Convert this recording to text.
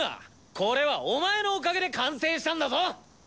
これはお前のおかげで完成したんだぞ！